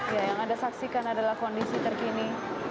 ya yang anda saksikan adalah kondisi terkini